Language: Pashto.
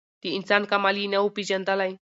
د انسان کمال یې نه وو پېژندلی